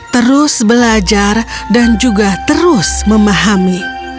terus belajar dan juga terus memahami